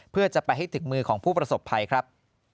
เพื่อจะไปให้ถึงมือของผู้ประสบภัยครับ